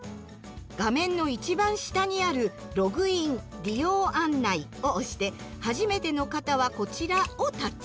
画面の一番下にある「ログイン・利用案内」を押して「はじめての方はこちら」をタッチ。